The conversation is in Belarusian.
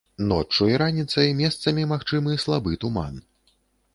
Ноччу і раніцай месцамі магчымы слабы туман.